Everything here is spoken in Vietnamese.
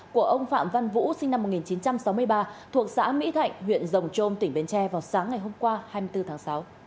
của ông phạm văn vũ sinh năm một nghìn chín trăm sáu mươi ba thuộc xã mỹ thạnh huyện rồng trôm tỉnh bến tre vào sáng ngày hôm qua hai mươi bốn tháng sáu